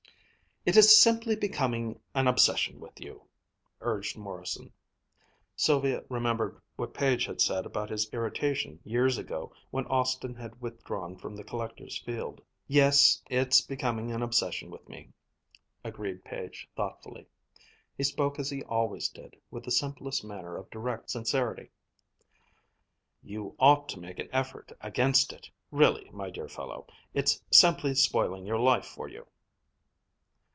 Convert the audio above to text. "It is simply becoming an obsession with you!" urged Morrison. Sylvia remembered what Page had said about his irritation years ago when Austin had withdrawn from the collector's field. "Yes, it's becoming an obsession with me," agreed Page thoughtfully. He spoke as he always did, with the simplest manner of direct sincerity. "You ought to make an effort against it, really, my dear fellow. It's simply spoiling your life for you!"